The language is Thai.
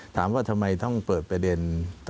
ถามว่าทำไมต้องเปิดประเด็น